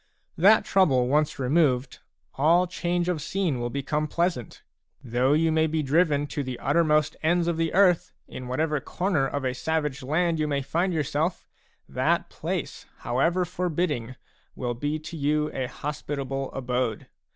That trouble once removed, all change of scene will become pleasant ; though you may be driven to the uttermost ends of the earth, in whatever corner of a savage land you may find yourself, that place, however forbidding, will be to you a hospitable abode.